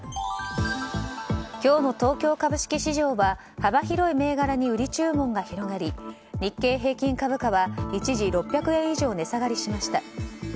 今日の東京株式市場は幅広い銘柄に売り注文が広がり日経平均株価は一時６００円以上値下がりしました。